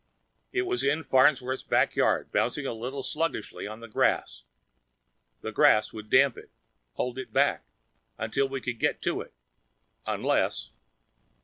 It was in Farnsworth's back yard, bouncing a little sluggishly on the grass. The grass would damp it, hold it back, until we could get to it. Unless....